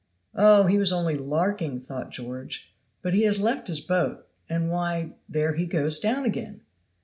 "Oh, he was only larking," thought George. "But he has left his boat and why, there he goes down again!"